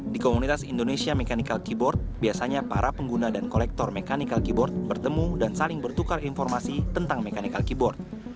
di komunitas indonesia mechanical keyboard biasanya para pengguna dan kolektor mechanical keyboard bertemu dan saling bertukar informasi tentang mechanical keyboard